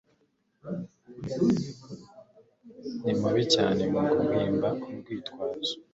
Ni mubi cyane muguhimba urwitwazo.